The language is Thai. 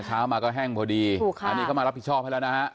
เช้ามาก็แห้งพอดีอันนี้เข้ามารับผิดชอบให้แล้วนะฮะ